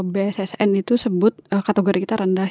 bssn itu sebut kategori kita rendah